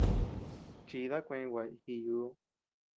Chida kuey guay jiyuu.